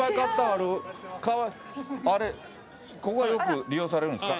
ここはよく利用されるんですか？